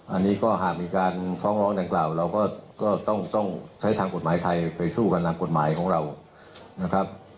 อันนี้ก็หากมีการฟ้องร้องดังกล่าวเราก็ต้องใช้ทางกฎหมายไทยไปสู้กันทางกฎหมายของเรานะครับ